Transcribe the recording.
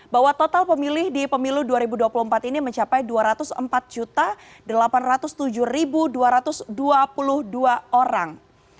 bahwa total pemilih di pemilu dua ribu dua puluh empat ini mencapai dua ratus empat delapan ratus tujuh dua ratus dua puluh dua orang